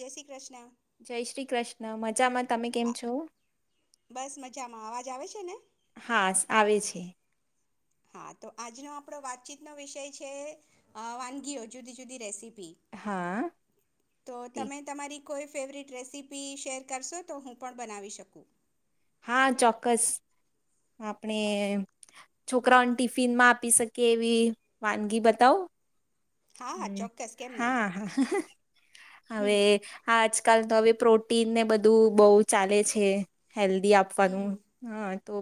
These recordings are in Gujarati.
જય શ્રી કૃષ્ણ. જય શ્રી કૃષ્ણ મજા મત તમે કેમ છો? કેમાં અવાજ આવે છે ને હા આવે છે. હા તો આજનો આપડો વાતચીતનોો વિષય છે વાનગીઓ જુદી જુદી રેસીપી હા તો તે તમે તમારી કોઈ ફેવરિટ રેસીપી શેર કરશો તો હું પણ બનાવી શકું. હા ચોક્કસ આપણે છોકરાઓને ટિફિનમાં આપી શકીએ એવી વાનગી બતાવો. હા હા હમ ચોક્કસ કેમ નહીં હા હા હમ હવે આજ. આજકાલ તો હવે પ્રોટીન ને બધું બહુ ચાલે છે. હેલ્ધી આપવાનું હમ હ. તો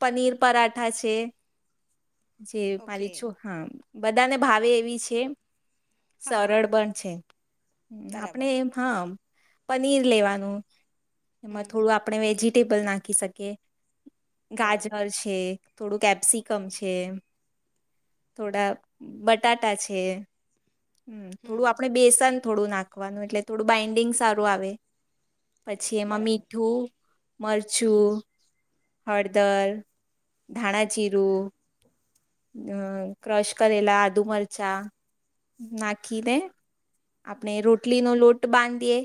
પનીર પરાઠા છે. જે પી ઓકે છો હા. બધા ને ભાવે એવી છ છે. હા હા સરળ પણ છે, બરાબર આપણે એમ હા. પનીર લેવાનું. હમ એમાં થોડું આપણે વેજી ટેબલ નાખી શકીએ બરાબર ગાજનર છે થોડું કેપ્સિકમ છે, થોડા બટાટા છે. છે. હમ થોડું આપડે બેસન થોડું નાખવાનું એટલે થોડું બાઈન્ડિંગ સારું આવે. પછી એમાં બરાબર મીઠું મરચું, હળદર, ધાણા ચિરું, અહ ક્રશ કરેલા આદુ મર ચા નાખીને આપણે રોટલીનો લોટ બાંધીએ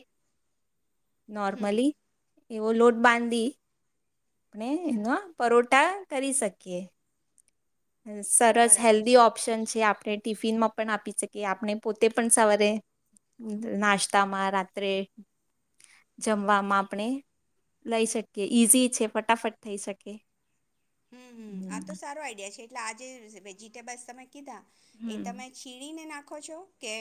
હમ નોર્મલી એવો લોટ બાંધી આપણે એના પરોઠા કરી શકીએ. સરસ બરાબર હેલ્ધી છે ઓપ્શન છે આપણે. ટિફિનમાં પણ આપી શકીએ આપણે પોતે પણ સવારે નાસ્તામાં, રાત્રે જમવામાં આપણે લઈ શકીએ ઈઝી છે ફટાફટ થઈ શકે. હમ્મ-હમ્મ આ તો હમ સારો આઈડિયા છે. [unintelligible] વેજીટેબલ્સ તમે કીધા એ તમે છીણીને નાખ ખો છો કે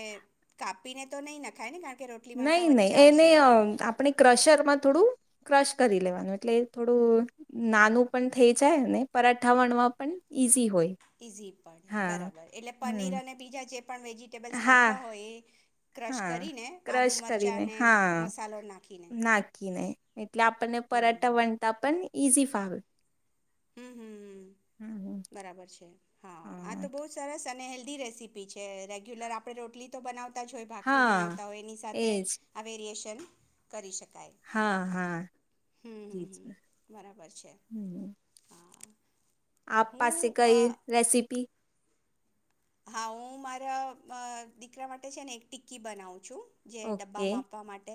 કાપીને તો નહીં નાખાય ને કારણ કે રોટલી વણતા નહીં નહીં વચ્ચે એને આવશે અહ આપણે ક્રશરમાં થોડું ક્રશ કરી લેવાનું એટલે થોડું નાનું પણ થઈ જાય અને પરાઠા વણવા પણ ઈઝી હોય. ઈઝી પડે હા બરાબર એટલે પનીર હમ અને બીજા જે પણ વેજીટેબલ્સ હા, નાખવા હોય એ ક્રશ હા કરીને આદુ ક્રશ કરીને મરચાં અને હા મસાલો નાખીને નાખીને એટલે આપણને પરાઠા હમ વણતા પણ ઇઝી ફાવે. હમ્મ-હમ્મ-હમ્મ. હમ હમ ઝી રેસીપી છે રેગ્યુલર આપણે રોટલી તો બનાવ તા જ હોય ભાખરી હા બનાવતા હોય એની સાથે એજ [unintelligible] ને કરી શકી. હા હા જી હમ્મ-હમ્મ જી બરાબર છે હમ હા. આપ પાસે હું અ કઈ રેસીપી? હા, હું મારા અ દીકરા માટે છે ને એક ટિક્કી બનાવું છું. જે ઓકે ડબ્બામાં આપવા માટે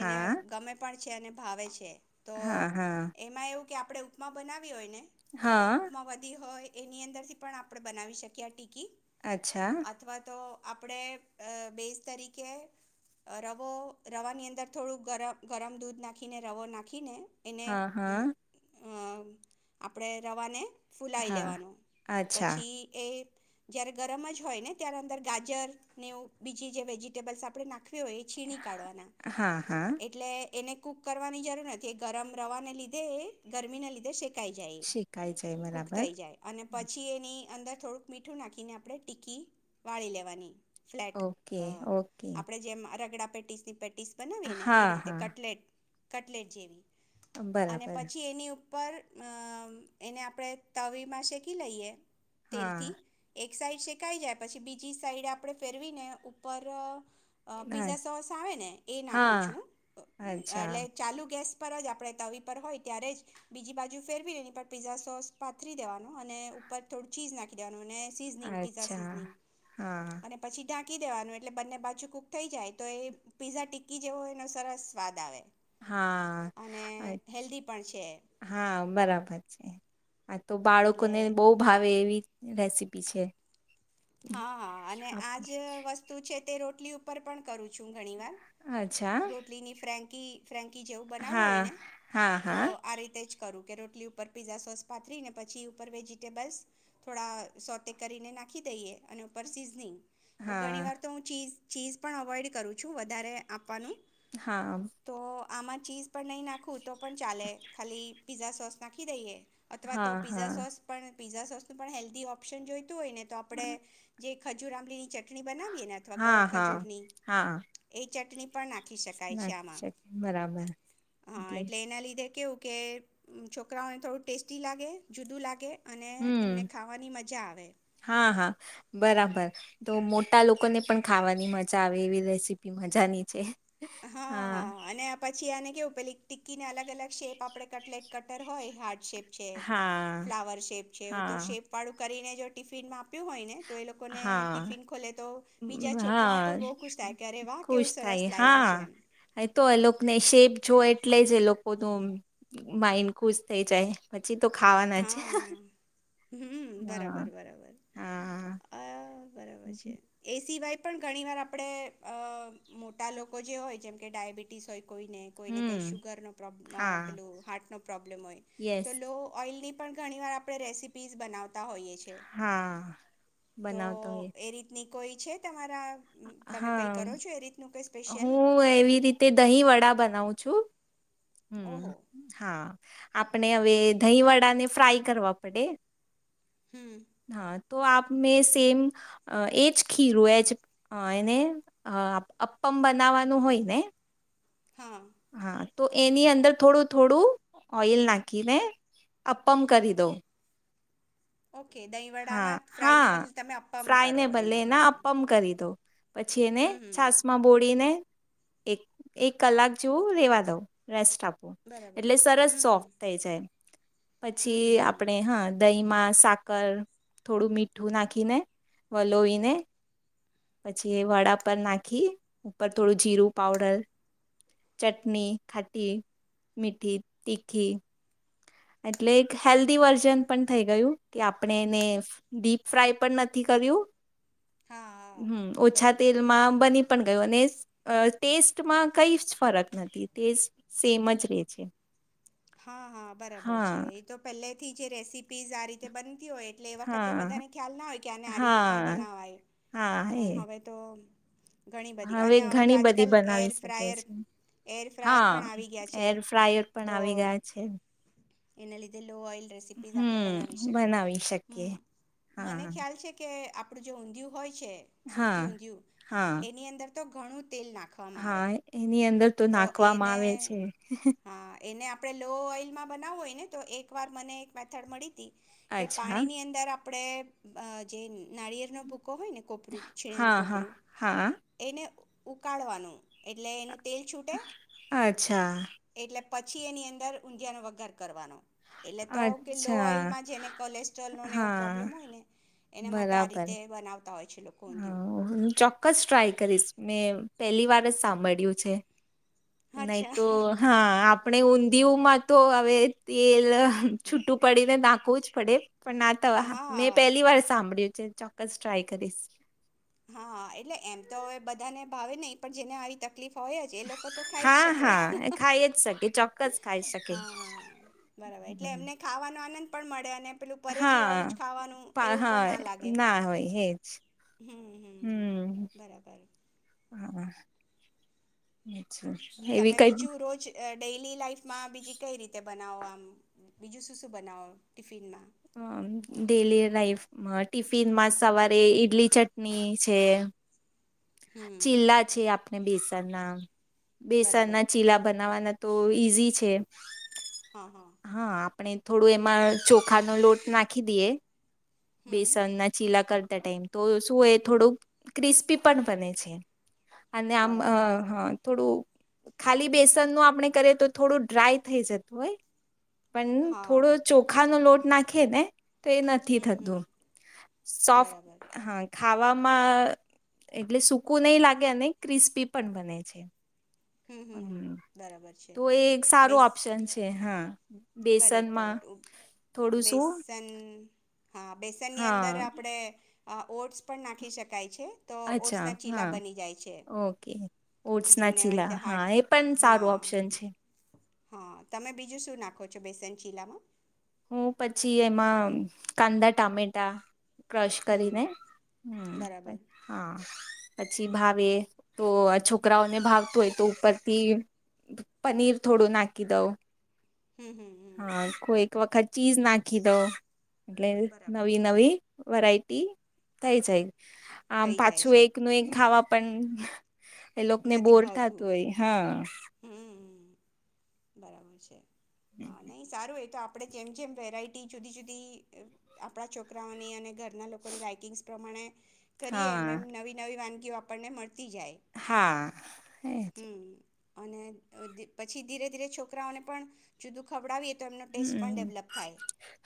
એને ગમે પણ છેને ભાવે છે. તો હા હા એમાં એવું કે આપડે ઉપમા બના વી હોયને તો હા ઉપમા વધી હોય એની અંદરથી પણ આપણે બનાવી શકીએ આ ટીકી. અચ્છા અથવા તો આપણે અ બેઝ તરીકે રવો રવાની અંદર થોડું ગર ગરમ દૂધ નાખીને રવો નાંખીને એને હા હા હં આપણે રવાને ફૂલાઈ હા લેવાનો અચ્છા પછી એ જયારે ગરમ જ હોય ને ત્યારે અંદર ગાજર ને એવું બીજી જે વેજીિટેબલ્સ આપડે નાખ વી હોય એ છીણી કાઢવાના હા હા એટલે એને કૂક કરવાની જરૂર નથી, એ ગરમ રવાને લીધે એ ગરમીને લીધે શે કાય જાય એ, શીખાય જાય કૂક બરાબર થઈ જાય અને પછી એની અંદર થોડુક મીઠ મીઠું નાખીને આપણે ટીકી વાળી લેવાની ફ્લેટ ઓકે અ ઓકે આપણેે જેમ રગડા પટીસથી પટીસ બનાવીએને એવી હા રીતે હા કટલેટ કટલેટ જેવી અને બરાબર પછી એની ઉપર એને આપણે તવીમાં શેકી લઈએ. તેલથી હા એક સાઈડ શેકાઈ જાય પછી બીજી સાઈડ આપડણે ફેરવી ને ઉપર હા પિઝા સોસ આવે ને એ નાખું હા છું અચ્છા એટલે ચાલુ ગેસ પર જ આપળે તવી પર હોય ત્યારે જ બીજી બાજુ ફેરવી એની પર પીઝા સોસ પાથરી દેવાનો અને ઉપર થોડું ચીઝ નાખી દેવાનું અને સિઝનીંગ પીઝા અચ્છા સિઝનીંગ હા અને પછી ઢાંકી દેવાનું એટલે બંને બાજુ કુક થઈ જાય તો એ પીઝા ટિક્કી જેવો એનો સરસ સ્વાદ આવે. હા અને [unintelligible] હેલ્ધી પણ છે એ. હા બરાબર છે, [unintelligible] તો એટલે બાળકોને બો ભાવે એવી રેસીપી છે. હા હા અને આજ વસ્તુ છે તે રોટલી ઉપર પણ કરું છું ઘણી વાર, અચ્છા રોટલીની ફ્ર્રેન્કી ફ્રેન્કી જેવું બનાવવું હોય હા ને હા તો, હા આ રીતે જ કરું. કે રોટલી ઉપર પીઝા સોસ પાથરી ને, પછી ઉપર વેજીટેબલ્સ થોડા સોતે કરીને નાખી દઈએ અને ઉપર સિઝનિંગ. તો ઘણી હા વાર તો હું ચીજ ચીઝ પણ અવોઈડ કરું છું, વધારે આપ આપનું, હા તો આમાં, ચીઝ પણ નહીં નાખું તો પણ ચાલે, ખાલી પીઝા સોસ [unintelligible] દઈએ અથવા, તો હા પીઝા હા સોસ પણ પીઝા સોસનું, પણ હેલ્ધી ઓપ્શન [unintelligible] [unintelligible] હોય, ને તો આપળે જે ખજુર આમબલી ની ચ [unintelligible] બનાવીએ અથવા હા ગોડ ખજૂર હા ની, હા એ. ચટણી પણ નાખ. નાખી શકે, બરાબર હા એટલે એના લીધે કેવું કે, અમ છોકરાઓને થોડું ટેસ્ટી લાગે, જુદું લાગે અને એમને હમ ખાવાની, મજા આવે. હા હા બરાબર, તો મોટા લોકોને પણ ખાવાની મજા આવે, એવી રેસીપી મજાની છે. હા-હા, હા અને આ પછી આને કેવું પેલી, ટિકિને અલગ અલગ-અલગ શેપ આપળે કટલેટ કટર હોય, હોટ શેપ છે હા ફ્વર છે, હા એ શેપ વાળું કરીને. જો, ટિફિનમાં આપ્યું હોયને, તો એ લોકોને હા ટીફિન ખોલે તો બીજા, છોકરાંઓ હા પણ બહુ ખુશ થાય, કે અરે વાહ, કેવું ખુશ સરસ થાય લાયવા છે. એમ હા, તો એ લોકને શેપ જોય. એટલે જે, લોકોનું માઇન્ડ ખુશ થઈ જાય, પછી તો ખાવાના જ છે, હ. હં બરાબર, બરાબર, હા બરાબર છે, એ સિવાય પણ ઘણી વાર આપણે, મોટા લોકો જે હોય, જેમ કે ઘણી વાર ડાયાબિટીસ હોય કોઈને, કોઈને કંઈ હમ શુગરનો પ્રો્ હા અં પેલું હાર્ટનો પ્રોબ્લેમ હોય, યસ તો લો ઓઈલની પણ ઘણી, વાર આપણે રેસીપી પીઝ, બનાવતા તા હોઈએ છે, હા તો બનાવતો હોય એ જ રીતની કોઈ છે, તમારે હા, કંઈ સ્પેશિયલ હું એવી રીતે દહીં વડા બનાવું છું. હમ, ઓહો હા. આપણે, હવે દહીંવડાને ફ્રાય કરવા પડે હમ. હા તો આપ મેં સેમ અં એ જ, ખીરું એજ એને અં અપ્પ અપ્પમ, બનાવવાનું હોય, ને હા હા. તો એની અંદર થોડું થોડું, ઓઇલ નાખીને અપ્પમ કરી દઉં. ઓકે, દહીંવડામાં હા ફ્રાયને બદલે તમે અપ્પમ કરો ફ્રાયને ભલે એનું, એના બરાબર. અપમ કરી દો પછી, એને હમ હમ હમ છાસમાં બોળીને. એક, એક કલાક જોવું રેવા દઉં, રેસ્ટ. આપું, બરાબર એટલે સરસ હમ હમ સોફ્ટ થઈ જાય. હમ પછી, હમ હમ આપણે હા દહીં માં સાકર. થોડું મીઠું નાખીને, વલોવીને પછી એ વડા પર નાખી, ઉપર થોડું જીરું પાવડર, ચટની, ખાટી, મીઠી, તીખી, એટલે એક હેલ્ધી વર્ઝન પણ થઈ ગયું, કે આપણે. અને એને, ડીપ ફ્રાય પણ નથી કર્યું. હા હા હં, ઓછા બરાબર તેલમાં બની પણ. ગું અને ટેસ્ટમાં કઈ જ ફરક નથી ટેસ્ટ સેમ જ રે છે હા, હા, બરાબર છે, હા એ તો પહેલે. થી, જે રેસીપીઝ આ રીતે બન. ની હોય, એટલે એ વખતે હા બધાને ખ્યાલ ના હોય કે આને આ રીતે પણ હા બનાવાય, હા એ પણ હવે તો. ઘણી બધી હવે અને તો ઘણી બધી આજકાલ એર બનાવી શકે ફ્રાયર છે, એર ફ્રાયર હા, પણ આવી ગયા છે એર ફ્રાયર પણ આવી ગયા. છે. એના લીધે. લો ઓઈલ રેસીપીસ આપડે બનાવી હમ શકીએ, બનાવી શકીએ હમ્મ, મને હા ખ્યાલ છે, કે આ આપડું જો, ઊંધયું હોય. છે, સુરતી હા ઊંધિયું, હા એની અંદર. તો, ઘડા. હા, એની અંદર તો નાખવામાં આવે છે. હા એને આપણે લો ઓઈલમાં બનાવું હોય, ને તો એકવાર મને એક મેથડ મળી થી કે અચ્છા પાણી ની અંદર આપ આપણે અહ જે નારિયળનો ભૂકો હોય, ને કોપરું, છીણેલું હા હા કોપરું હા એને ઉકાળવાનું. એટલે એનું તેલ છૂટે. અચ્છા એટલે પછી એની દર ઊંધિયાનો વગાર કરવાનો. એટલે તો કે લો અચ્છા ઓઈલમાં જેને કોલેસ્ટ્રોલનોને એવો પ્રોબ્લેમ હા હોય ને, એના માટે આ રીતે બરાબર બનાવ હા, હું ચોક્કસ ટ્રાય કરીશ ને પેલી વાર જ સાંભળ્યું છે. નહી અચ્છા તો હા આપણે ઊંધિયુંમાં તો હવે તેલ અહ છુટું પડીને ના હોવું જ પડે. પણ નાતા હા, મેં પહેલી વાર સાંભળ્યું. ચ-ચોક્કસ ટ્રાય કરીશ. હા, એટલે એમ તો હવે બધાને ભાવે નહીં પણ જેને આવી તકલીફ હોયજ એ લોકો તો ખાઈજ હા શકે. હા એ ખાઈ જ શકે ચોક્કસ ખાઈ શકે હા, બરાબર એટલે હમ. એમને ખાવાનો આનંદ પણ મળે અને પેલું પરેજીવાળું જ હા, ખાવાનું પા એવું પણ હા ના લાગે ના હોય હેજ. હમ હમ હમ હમ્મ, બરાબર હાવા. હમ્મ. તમે બીજું રોજ અહ ડેલી લાઈફમાં બીજી કઈ રીતે બનાવો આમ, બીજું શું-શું બનાવો ટિફિનમાં? અ ડેલી લાઈફમાં ટિફિનમાં સવારે ઈડલી ચટની છે. હમ ચિલ્લા છે આપ ને બેસનના બરાબર બેસનના ચીલા બનાવાના તો ઈઝી છે. હા હા. આપણે થોડું એમાં ચોખાનો લોટ નાખી દીએ. હમ બેસનના ચીલા કર તા ટાઈમ, તો શું એ થોડું ક્રિસ્પી પણ બને છે. અને આમ બરાબર હહ થોડું ખાલી બેસનનું આપણે કરીએ તો થોડું ડ્રાય થઈ જતું હોય પન થોડો હા ચોખાનો લોટ નાખીએ ને તો એ નથી હમ થતું. હમ સોફ્ટ, બરાબર હા ખાવા માં એટલે સૂકું નહીં લાગે અને ક્રિસ્પી પન બને છે. હમ્મ-હમ્મ-હમ્મ, હમ બરાબર છે. તો એ એક બેસ, સારું ઓપ્શન છે હા કરેક્ટ, બેસનમાં કરેક્ટ ઉ થોડું શું બેસન હા બેસનની હા અંદર આપણે અ ઓટ્સ પણ નાખી શકાય છે. તો અચ્છા. ઓટ્સના ચીલા હા બની જાય છે ઓકે, ઓટ્સના જેને ચીલા રીતે હા, હાર્ટ એ પન હા સારું ઓપ્શન છે. હા. તમે બીજું શું નાખો છો બેસન ચીલામાં? હું પછી એમાં કાંદા, ટામેટા ક્રશ હમ કરીને, હમ્મ, બરાબર હા. પછી ભાવે તો આ છોકરાઓને ભાવતું હોય તો ઉપરથી પનીર થોડું નાખી દઉં. હમ હમ હમ હા કોઈક ક વખત ચીઝ નાખી દઉં. એટલે બરાબર નવી નવી વેરાયટી થઈ જાય. આમ થઈ જાય પાછું છે એકનું એક ખાવા પન એ લોકને નથી બોર ભાવતું થાતું હોય હહ હમ બરાબર છે. હહ નહીં સારું એ તો આપ આપણે જેમ જેમ વેરાયટી જુદી-જુદી આપણા છોકરાઓની અને ઘર ના લોકોની લાઈકિંગસ પ્રમાણે કરીએ હા એમ એમ નવી નવી વાન ગીઓ આપણને મળ હા એ. હમ અને અહ પછી ધીરે ધીરે છોકરાઓને પણ જુદું ખવડાવીએ તો એમનો ટેસ્ટ પણ હમ ડેવલપ થાય,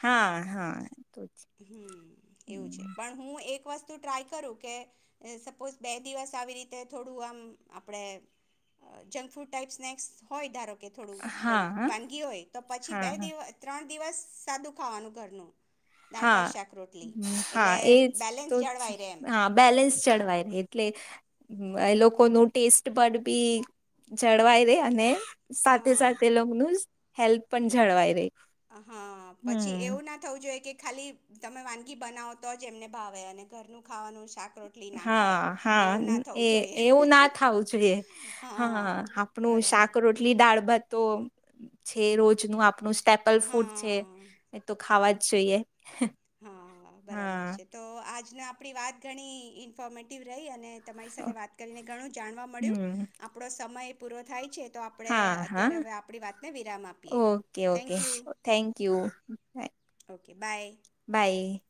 હા હા તો જ હમ્મ એવું છે, હમ પણ હું એક વસ તુ ટ્રાય કરું કે સપોઝ બે દિવસ આવી રીતે થોડું આમ આપડે જંગફૂડ ટાઈપ સ્નેક્સ હોય ધારો કે થોડું કઈ હા વાનગી હોય, તો પછી બે હા દિવ ત્રણ દિવસ સાદું ખાવાનું ઘરનું. દાળ હા, ભાત શાક રોટલી હા, એટલે એજ તો બેલેન્સ જળવાય રહે એમ હા બેલેન્સ જડવાય રે એટલે એ લોકોનું ટેસ્ટ પણ બી જળવાય રે અને સાથે હા સાથે એ લોકનું ઝ હેલ્થ પન જળવાઈ રેય. હાં પછી એવું ના થવું જોઈએ કે ખાલી તમે વાનગી બનાવો તો જ એમને ભાવે અને ઘરનું ખાવાનું શાક રોટલી ના ખાય હાં, હાં, એવું ના થવું એ જોઈએ એવું ના થાવું જોઈએ, હા હાં આપણું બરાબર શાક-રોટલી દાળ-ભાત તો છે, રોજનું આપણું સ્ ટેપલ ફૂડ છે, એ તો ખાવા જ જોઈએ. હં, બરાબર હા છે, તો આજના આપણી વાત ઘણી ઇન્ફોર્મેટિવ રહી અ ને તમારી સાથે વાત કરીને ઘણું જાણવા મળ્યું, હમ્મ આપણો સમય પૂરો થાય છે. તો આપણે હા હા અત્યારે હવે આપણી વાતને વિરામ આપીએ okay okay thank you thank you okay bye. By.